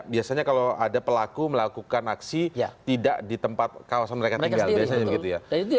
biasanya kalau ada pelaku melakukan aksi tidak di tempat kawasan mereka tinggal